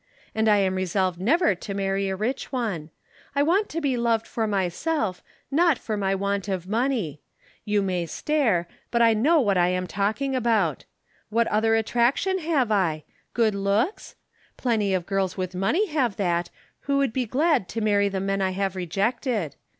And I am resolved never to marry a rich one. I want to be loved for myself, not for my want of money. You may stare, but I know what I am talking about. What other attraction have I? Good looks? Plenty of girls with money have that, who would be glad to marry the men I have rejected.